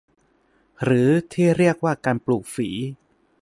หรือที่เรียกว่าการปลูกฝี